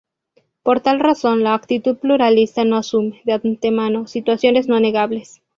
Por tal razón la actitud pluralista no asume, de antemano, situaciones no negociables.